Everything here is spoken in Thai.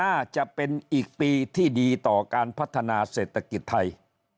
น่าจะเป็นอีกปีที่ดีต่อการพัฒนาเศรษฐกิจไทย